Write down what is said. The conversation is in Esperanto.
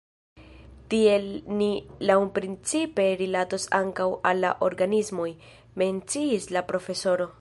Tiel ni laŭprincipe rilatos ankaŭ al la organismoj, menciis la profesoro.